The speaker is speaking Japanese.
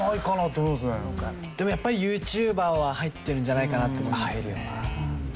でもやっぱりＹｏｕＴｕｂｅｒは入ってるんじゃないかなって思いますね。